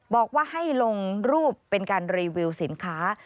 บอกว่าให้ลงรูปเป็นการรีวิวสินค้า